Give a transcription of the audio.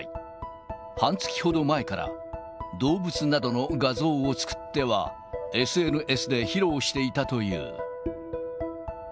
半月ほど前から、動物などの画像を作っては、ＳＮＳで披露していたという。